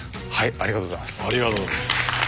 ありがとうございます。